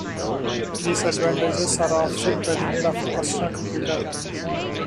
These advantages are offset by the need of a Personal computer.